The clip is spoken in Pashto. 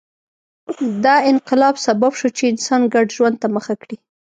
دا انقلاب سبب شو چې انسان ګډ ژوند ته مخه کړي